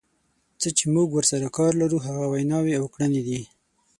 څه چې موږ ورسره کار لرو هغه ویناوې او کړنې دي.